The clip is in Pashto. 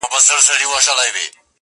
قاضي صاحبه ملامت نه یم بچي وږي وه.